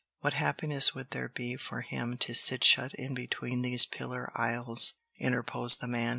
'" "What happiness would there be for him to sit shut in between these pillar aisles?" interposed the man.